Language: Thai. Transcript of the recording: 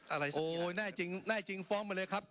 โอ๊ยแทนจริงแทนจริงฟ้องด้วยเลยครับ